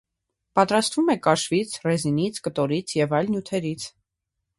Պատրաստվում է կաշվից, ռեզինից, կտորից և այլ նյութերից։